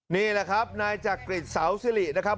นี่ล่ะครับนายจากปริศาลสิรินะครับ